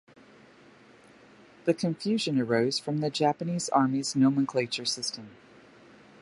The confusion arose from the Japanese Army's nomenclature system.